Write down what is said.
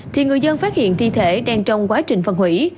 thì người dân phát hiện thi thể đang trong quá trình phân hủy